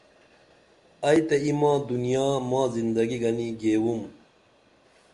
ائی تہ ای ماں دنیا ماں زندگی گنی گیوم